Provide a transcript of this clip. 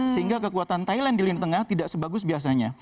sehingga kekuatan thailand di lini tengah tidak sebagus biasanya